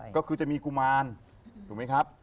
ก็คือจะมีกุมารถูกไหมครับ